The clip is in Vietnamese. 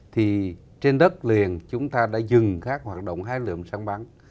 thì trên đất liền chúng ta đã dừng các hoạt động hai lượm săn bắn